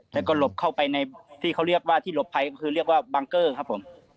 แล้วก็หลบเข้าไปในที่เขาเรียกว่าที่หลบภัยก็คือเรียกว่าบังเกอร์ครับผม